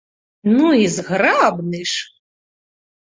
Ну, і зграбны ж!